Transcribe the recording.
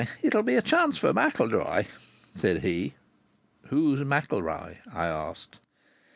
"It'll be a chance for MacIlroy," said he. "Who's MacIlroy?" I asked.